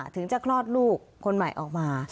ถึงจะคลอดลูกคนใหม่ออกมา